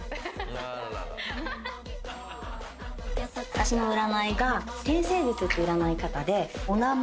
私の占いが天星術って占い方でお名前